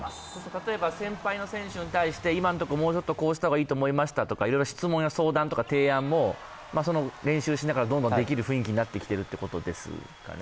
例えば先輩の選手に対して今のところ、もうちょっとこうした方がいいと思いましたとか、質問や提案も、練習しながらどんどんできる雰囲気になってきてるってことですね？